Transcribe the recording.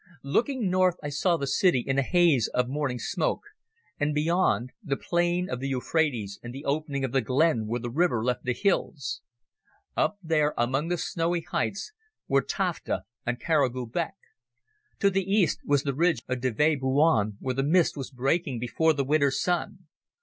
Looking north I saw the city in a haze of morning smoke, and, beyond, the plain of the Euphrates and the opening of the glen where the river left the hills. Up there, among the snowy heights, were Tafta and Kara Gubek. To the east was the ridge of Deve Boyun, where the mist was breaking before the winter's sun.